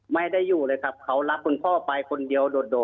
ไม่ได้อยู่เลยครับเขารักคุณพ่อไปคนเดียวโดด